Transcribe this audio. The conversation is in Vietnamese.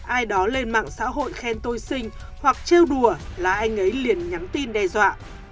ai đó lên mạng xã hội khen tôi sinh hoặc treo đùa là anh ấy liền nhắn tin đe dọa